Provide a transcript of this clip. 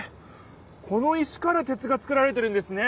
この石から鉄が作られてるんですね！